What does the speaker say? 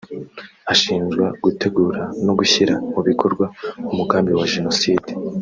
Ashinjwa gutegura no gushyira mu bikorwa umugambi wa Jenoside